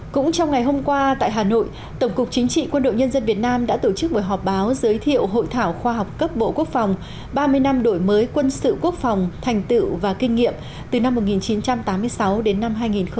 cũng trong ngày hôm qua tại hà nội tổng cục chính trị quân đội nhân dân việt nam đã tổ chức buổi họp báo giới thiệu hội thảo khoa học cấp bộ quốc phòng ba mươi năm đổi mới quân sự quốc phòng thành tựu và kinh nghiệm từ năm một nghìn chín trăm tám mươi sáu đến năm hai nghìn một mươi tám